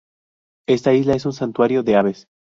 Esta isla es un santuario de aves.